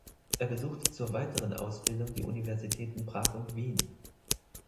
Er besuchte zur weiteren Ausbildung die Universitäten Prag und Wien.